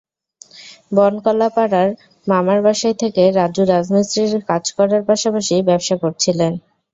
বনকলাপাড়ার মামার বাসায় থেকে রাজু রাজমিস্ত্রির কাজ করার পাশাপাশি ব্যবসা করছিলেন।